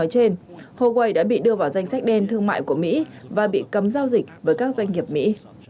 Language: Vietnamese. trên huawei đã bị đưa vào danh sách đen thương mại của mỹ và bị cấm giao dịch với các doanh nghiệp mỹ